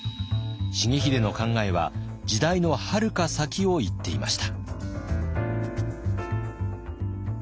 重秀の考えは時代のはるか先をいっていました。